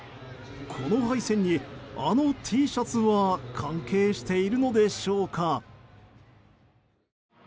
この敗戦にあのＴシャツは関係しているのでしょうか。